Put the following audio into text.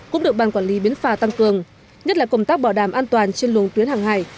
cũng được ban quản lý biến phà tăng cường nhất là công tác bảo đảm an toàn trên luồng tuyến hàng hải